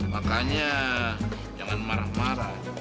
makanya jangan marah marah